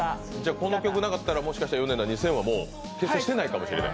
この曲なかったら、もしかしてヨネダ２０００は結成していなかったかもしれない？